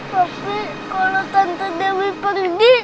tapi kalau tante dewi pergi